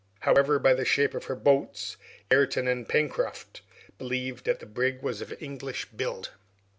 However, by the shape of her boats Ayrton and Pencroft believed that the brig was of English build.